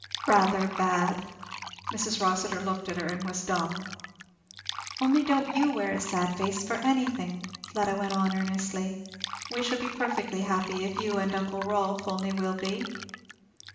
'Rather bad'! Mrs. Rossitur looked at her, and was dumb. "Only don't you wear a sad face for anything!" Fleda went on earnestly; "we shall be perfectly happy if you and uncle Rolf only will be."